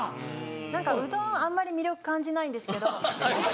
何かうどんあんまり魅力感じないんですけど。